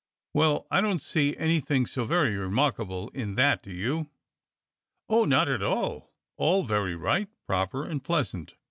"Well, I don't see anything so very remarkable in that, do you?" "Oh, not at all — all very right, proper, and pleasant."